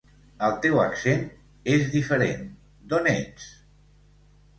El teu accent és diferent, d'on ets?